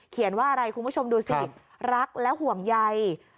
ว่าอะไรคุณผู้ชมดูสิรักและห่วงใย